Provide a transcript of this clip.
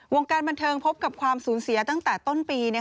วงการบันเทิงพบกับความสูญเสียตั้งแต่ต้นปี